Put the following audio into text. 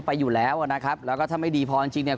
ไปอยู่แล้วอ่ะนะครับแล้วก็ถ้าไม่ดีพอจริงจริงเนี่ย